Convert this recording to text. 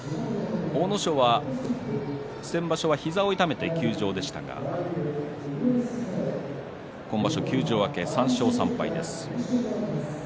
阿武咲は先場所は膝を痛めて休場でしたが今場所、休場明け３勝３敗です。